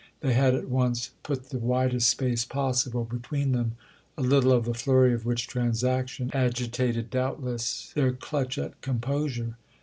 They had at once put the widest space possible between them—a little of the flurry of which transaction agitated doubtless their clutch at composure.